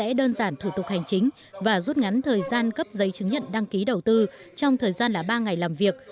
sẽ đơn giản thủ tục hành chính và rút ngắn thời gian cấp giấy chứng nhận đăng ký đầu tư trong thời gian là ba ngày làm việc